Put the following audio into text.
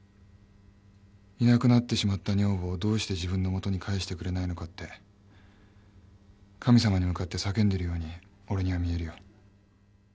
いなくなってしまった女房をどうして自分のもとに返してくれないのかって神様に向かって叫んでるように俺には見えるよ。